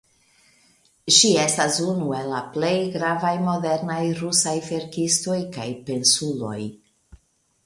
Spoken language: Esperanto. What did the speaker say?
Ŝi estas unu el la plej gravaj modernaj rusaj verkistoj kaj pensuloj.